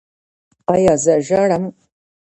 ایا زه ژاړم؟